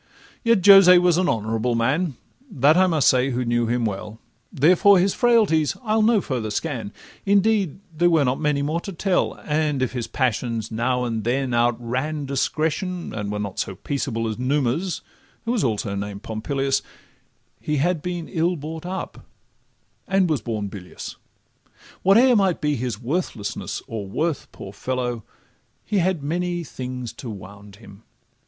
Yet Jose was an honourable man, That I must say who knew him very well; Therefore his frailties I'll no further scan Indeed there were not many more to tell; And if his passions now and then outran Discretion, and were not so peaceable As Numa's (who was also named Pompilius), He had been ill brought up, and was born bilious. Whate'er might be his worthlessness or worth, Poor fellow! he had many things to wound him.